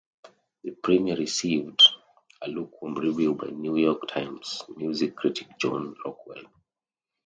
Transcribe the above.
The premiere received a lukewarm review by "New York Times" music critic John Rockwell.